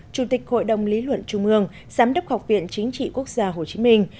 chủ tịch hội đồng lý luận trung ương giám đốc học viện chính trị quốc gia hồ chí minh